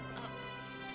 boleh kan nyom kenalan